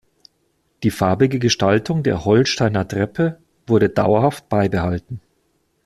Die farbige Gestaltung der Holsteiner Treppe wurde dauerhaft beibehalten.